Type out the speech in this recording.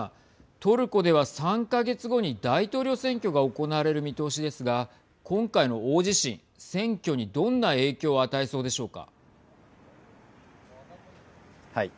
トルコでは３か月後に大統領選挙が行われる見通しですが今回の大地震、選挙にどんな影響を与えそうでしょうか。